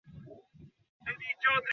তুমি বলেছিলে তোমার মায়ের সাথে কথা বলবে।